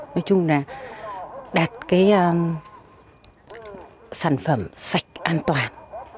nói chung là đạt cái sản phẩm sạch an toàn